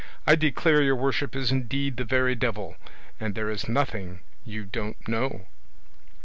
I declare your worship is indeed the very devil, and there is nothing you don't know."